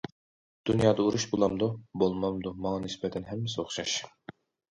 دۇنيادا ئۇرۇش بولامدۇ- بولمامدۇ ماڭا نىسبەتەن ھەممىسى ئوخشاش.